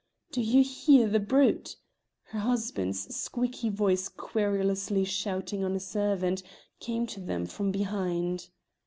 Do you hear the brute?" Her husband's squeaky voice querulously shouting on a servant came to them from behind.